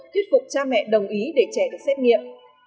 thuyết phục cha mẹ đồng ý để trẻ được xét nghiệm